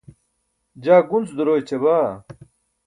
jaa gunc duro ećabaa